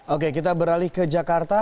oke kita beralih ke jakarta